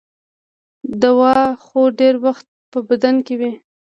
دوا خو ډېر وخت په بدن کې وي.